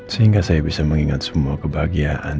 sehingga saya bisa mengingat semua kebahagiaan